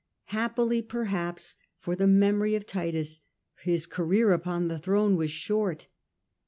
Happily, perhaps, for the memory of Titus, his career upon the throne was short.